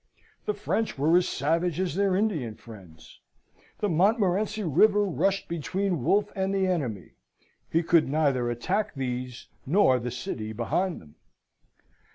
The French were as savage as their Indian friends. The Montmorenci River rushed between Wolfe and the enemy. He could neither attack these nor the city behind them.